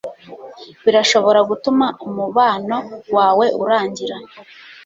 birashobora gutuma umubano wawe urangira